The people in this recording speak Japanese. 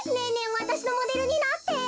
わたしのモデルになって。